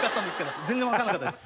全然分かんなかったです。